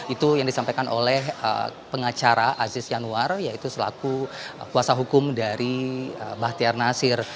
itu yang disampaikan oleh pengacara aziz yanuar yaitu selaku kuasa hukum dari bahtiar nasir